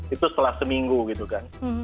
itu setelah seminggu gitu kan